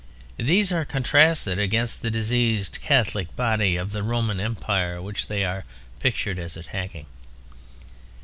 These are contrasted against the diseased Catholic body of the Roman Empire which they are pictured as attacking.